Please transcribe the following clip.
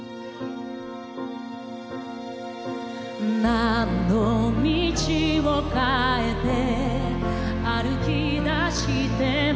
「何度道を変えて歩き出しても」